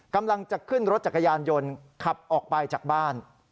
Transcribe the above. กำลังจะขึ้นรถจักรยานยนต์ขับออกไปจากบ้าน